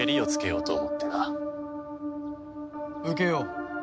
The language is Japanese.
受けよう。